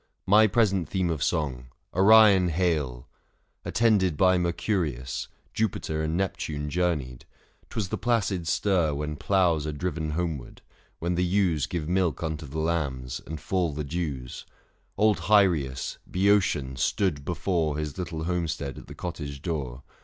560 My present theme of song, Orion hail ! Attended by Mercurius — Jupiter And Neptune journeyed : 'twas the placid stir When ploughs are driven homeward, when the ewes Give milk unto the lambs, and fall the dews. 565 Book V. THE FASTI. 161 Old Hyrieus, Boeotian, stood before His little homestead at the cottage door.